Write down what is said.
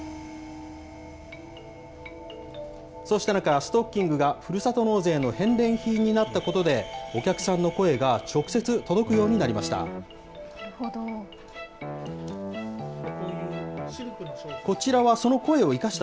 そうした中ストッキングがふるさと納税の返礼品になったことで、お客さんの声が直接届くようになりました。